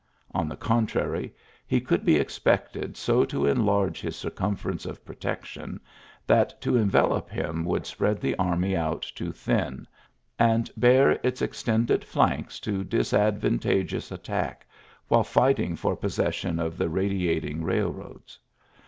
On the contrary, he could be expected so to enlarge his circumference of pro tection that to envelop him would spread the army out too thin, and bare its extended flanks to disadvantageous attack while fighting for possession of the radiating railroads.